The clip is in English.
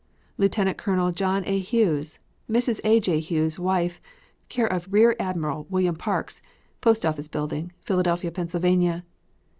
Lieutenant Colonel John A. Hughes; Mrs. A. J. Hughes, wife, care of Rear Admiral William Parks, Post Office Building, Philadelphia, Pa.